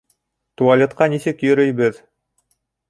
Туалетҡа нисек йөрөйбөҙ?